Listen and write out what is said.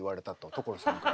所さんから。